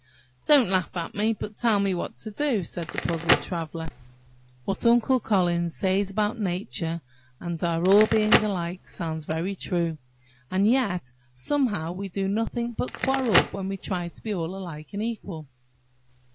"Don't laugh at me, but tell me what to do," said the puzzled Traveller. "What Uncle Collins says about nature and our all being alike, sounds very true, and yet somehow we do nothing but quarrel when we try to be all alike and equal."